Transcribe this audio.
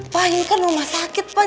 pak ini kan rumah sakit pak